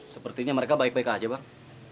sepertinya mereka baik baik aja bang